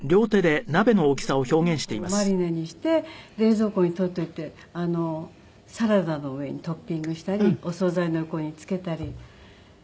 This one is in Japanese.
でそれを色んなキノコをマリネにして冷蔵庫に取っておいてサラダの上にトッピングしたりお総菜の横につけたり。